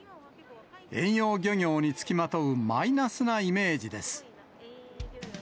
遠洋漁業につきまとうマイナスなイメージです。